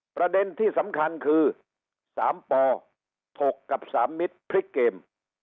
ประเด็นที่สำคัญคือ๓ป๖กับ๓มิตรพลิกเกม